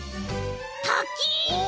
たき！